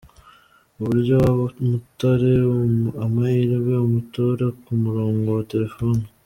Uburyo waha Umutare amahirwe umutora ku murongo wa Telefone.